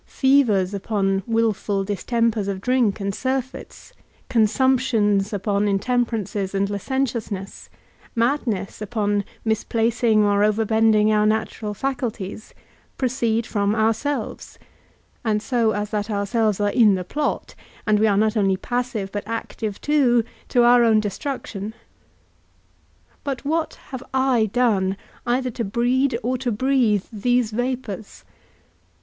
Fevers upon wilful distempers of drink and surfeits, consumptions upon intemperances and licentiousness, madness upon misplacing or overbending our natural faculties, proceed from ourselves, and so as that ourselves are in the plot, and we are not only passive, but active too, to our own destruction. But what have I done, either to breed or to breathe these vapours?